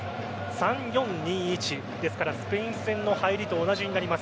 ３−４−２−１スペイン戦の入りと同じになります。